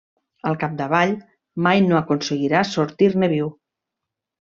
Al capdavall, mai no aconseguiràs sortir-ne viu.